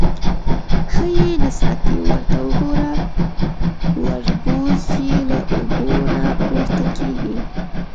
_ښه يې نه ساتې. ورته وګوره، وربوز يې له اوبو نه پورته کېږي.